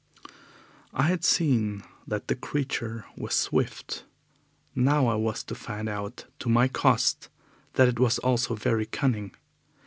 I had seen that the creature was swift. Now I was to find out to my cost that it was also very cunning.